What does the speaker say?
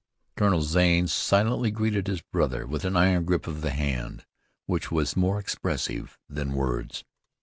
Colonel Zane silently greeted his brother with an iron grip of the hand which was more expressive than words.